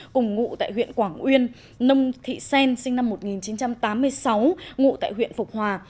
cùng ngụ tại huyện quảng uyên nông thị sen sinh năm một nghìn chín trăm tám mươi sáu ngụ tại huyện phục hòa